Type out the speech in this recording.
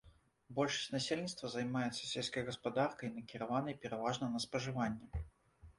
Большасць насельніцтва займаецца сельскай гаспадаркай, накіраванай пераважна на спажыванне.